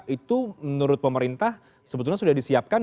itu menurut pemerintah sebetulnya sudah disiapkan